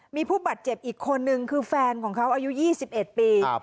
มีผู้บาดเจ็บอีกคนนึงคือแฟนของเขาอายุ๒๑ปี